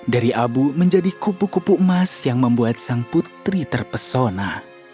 dari abu menjadi kupu kupu emas yang membuat sang putri terpesona